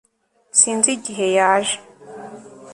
sinzi igihe yaje